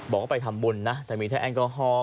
บอกว่าไปทำบุญนะแต่มีแถวแอนกาฮอล์